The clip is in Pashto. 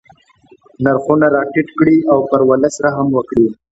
نرخونه را ټیټ کړي او پر ولس رحم وکړي.